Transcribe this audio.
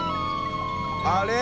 あれ？